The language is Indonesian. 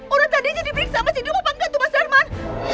orang tadinya diperiksa masih hidup apa enggak tuh mas darman